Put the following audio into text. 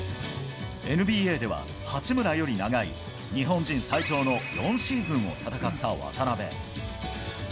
ＮＢＡでは、八村より長い日本人最長の４シーズンを戦った渡邊。